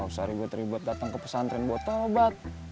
gak usah ribet ribet dateng ke pesantren buat taubat